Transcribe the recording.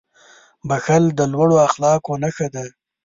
• بښل د لوړو اخلاقو نښه ده.